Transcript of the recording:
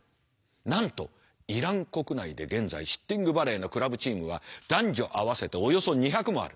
なんとイラン国内で現在シッティングバレーのクラブチームは男女合わせておよそ２００もある。